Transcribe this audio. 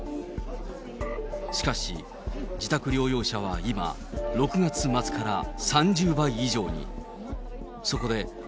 しかし、自宅療養者は今、６月末から３０倍以上に。